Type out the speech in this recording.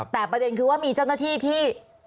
แต่ประเด็นคือว่ามีเจ้าหน้าที่ที่